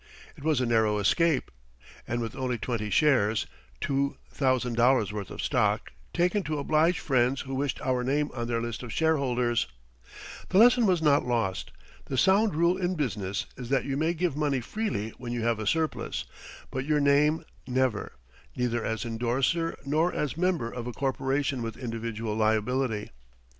It was a narrow escape. And with only twenty shares (two thousand dollars' worth of stock), taken to oblige friends who wished our name on their list of shareholders! The lesson was not lost. The sound rule in business is that you may give money freely when you have a surplus, but your name never neither as endorser nor as member of a corporation with individual liability.